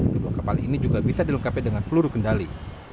kedua kapal ini juga bisa dilengkapi dengan peluru kendali